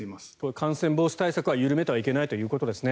感染防止対策は緩めてはいけないということですね。